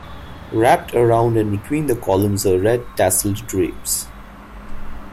Wrapped around and between the columns are red tasseled drapes.